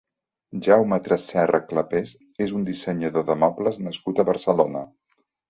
Jaume Tresserra Clapés és un dissenyador de mobles nascut a Barcelona.